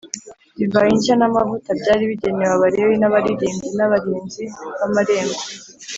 divayi nshya n amavuta byari bigenewe Abalewi n abaririmbyi n abarinzi b amarembo